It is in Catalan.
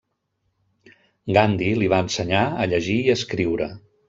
Gandhi li va ensenyar a llegir i escriure.